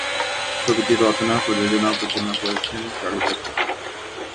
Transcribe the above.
ছবিটি রচনা, প্রযোজনা ও পরিচালনা করেছেন চার্লি চ্যাপলিন।